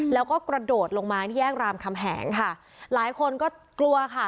แล้วก็กระโดดลงมาที่แยกรามคำแหงค่ะหลายคนก็กลัวค่ะ